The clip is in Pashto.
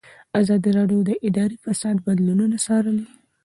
ازادي راډیو د اداري فساد بدلونونه څارلي.